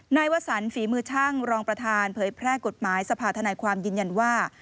วสันฝีมือช่างรองประธานเผยแพร่กฎหมายสภาธนายความยืนยันว่า